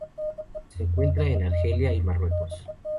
Se encuentra en Argelia y Marruecos.